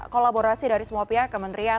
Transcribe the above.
kolaborasi dari semua pihak kementerian